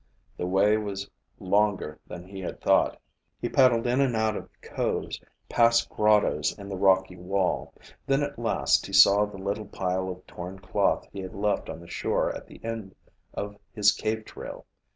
The way was longer than he had thought. He paddled in and out of coves, past grottoes in the rocky wall. Then, at last, he saw the little pile of torn cloth he had left on the shore at the end of his cave trail.